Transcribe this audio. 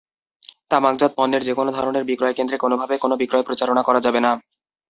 তামাকজাত পণ্যের যেকোনো ধরনের বিক্রয়কেন্দ্রে কোনোভাবে কোনো বিক্রয় প্রচারণা করা যাবে না।